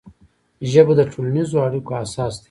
ژبه د ټولنیزو اړیکو اساس دی